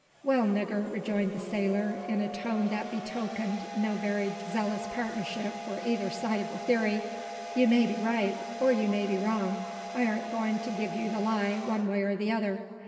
"Well, nigger," rejoined the sailor, in a tone that betokened no very zealous partisanship for either side of the theory, "you may be right, or you may be wrong. I ar'n't goin' to gi'e you the lie, one way or t' other.